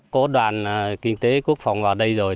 có đoàn kinh tế quốc phòng vào đây rồi